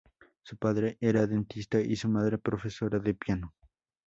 Su padre era dentista y su madre profesora de piano.